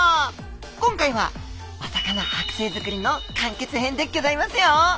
今回はお魚はく製づくりの完結編でギョざいますよ！